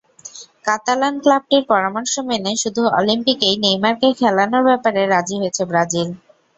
Catalan ক্লাবটির পরামর্শ মেনে শুধু অলিম্পিকেই নেইমারকে খেলানোর ব্যাপারে রাজি হয়েছে ব্রাজিল।